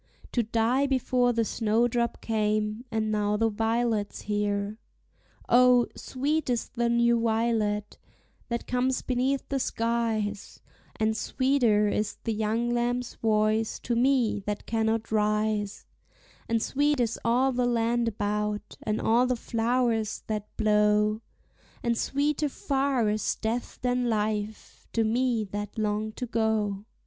To die before the snowdrop came, and now the violet's here. O, sweet is the new violet, that comes beneath the skies; And sweeter is the young lamb's voice to me that cannot rise; And sweet is all the land about, and all the flowers that blow; And sweeter far is death than life, to me that long to go.